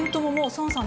「孫さん！」。